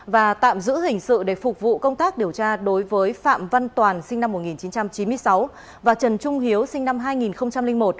và tạm giữ hình sự để phục vụ công tác điều tra đối với phạm văn toàn sinh năm một nghìn chín trăm chín mươi sáu và trần trung hiếu sinh năm hai nghìn một